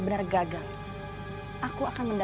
pantes aja kak fanny